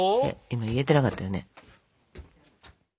今言えてなかったよね。